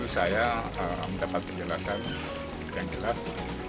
saya mendapat penjelasan yang jelas